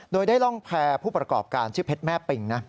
โดยได้ร่องแพร่ผู้ประกอบการชื่อเพชรแม่ปิงนะ